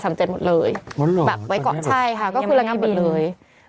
หมดเหรอยังไม่ได้บินยังไม่ได้บินแบบไว้เกาะใช่ค่ะก็คือระงับหมดเลย